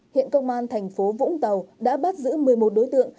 hiện công an thành phố vũng tàu đã bắt giữ một mươi một đối tượng